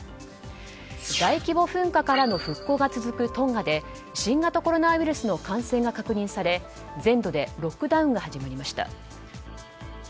大規模噴火からの復興が続くトンガで新型コロナウイルスの感染が確認され全土でロックダウンが始まりました。